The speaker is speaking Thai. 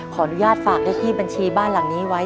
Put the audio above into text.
ขออนุญาตฝากเลขที่บัญชีบ้านหลังนี้ไว้